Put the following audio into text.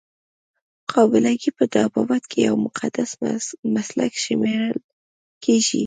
قابله ګي په طبابت کې یو مقدس مسلک شمیرل کیږي.